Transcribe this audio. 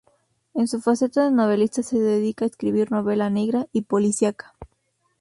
En su faceta de novelista se dedica a escribir novela negra y policiaca.